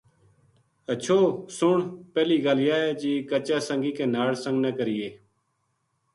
ہچھو ! سن ! پہلی گل یاہ ہے جی کچا سنگی کے ناڑ سنگ نہ کرینے